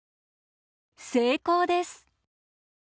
成功です。